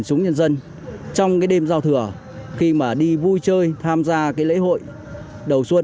chúng nhân dân trong cái đêm giao thừa khi mà đi vui chơi tham gia cái lễ hội đầu xuân